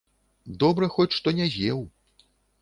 Добра хоць што не з'еў!